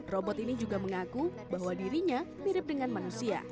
robot ini juga mengaku bahwa dirinya mirip dengan manusia